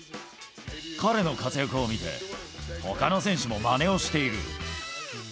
彼の活躍を見て、ほかの選手もまねをしている。